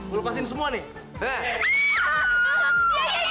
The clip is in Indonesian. gue lepasin semua nih